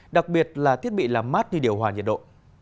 đặc biệt là thiết bị làm mát đi điều hòa nhiệt độ